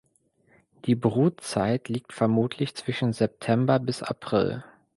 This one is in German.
Die Brutzeit liegt vermutlich zwischen September bis April.